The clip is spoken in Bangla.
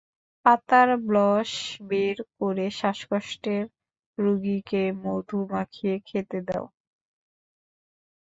পাতার ব্লস বের করে শ্বাসকষ্টের রুগীকে মধু মাখিয়ে খেতে দাও।